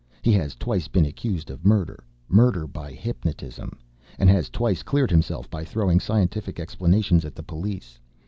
He has twice been accused of murder murder by hypnotism and has twice cleared himself by throwing scientific explanations at the police.